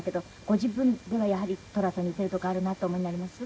ご自分ではやはり寅さんに似ているとこあるなとお思いになります？